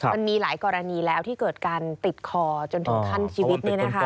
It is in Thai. มันมีหลายกรณีแล้วที่เกิดการติดคอจนถึงขั้นชีวิต